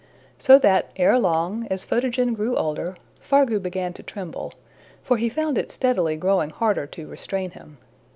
So that, ere long, as Photogen grew older, Fargu began to tremble, for he found it steadily growing harder to restrain him.